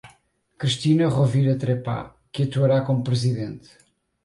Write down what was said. Cristina Rovira Trepat, que atuará como presidente.